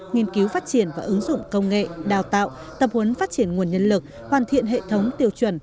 nghiên cứu phát triển và ứng dụng công nghệ đào tạo tập huấn phát triển nguồn nhân lực hoàn thiện hệ thống tiêu chuẩn